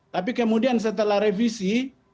tapi kemudian setelah revisi